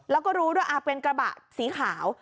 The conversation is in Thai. แล้วก็รู้ด้วยเป็นกระบะสีขาว